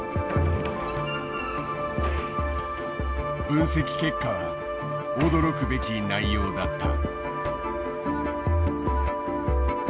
分析結果は驚くべき内容だった。